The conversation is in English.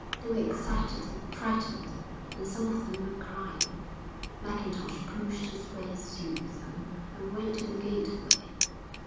They were excited and frightened and some of them were crying. Mackintosh pushed his way through them and went to the gateway.